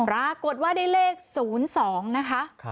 ปรากฏว่าได้เลข๐๒นะคะ